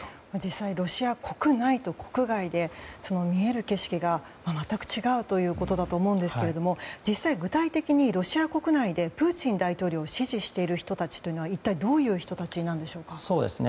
実際、ロシア国内と国外で見える景色が全く違うということだと思うんですけど実際、具体的にロシア国内でプーチン大統領を支持している人たちは一体どういう人たちなんでしょうか？